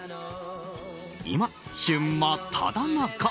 今、旬真っただ中。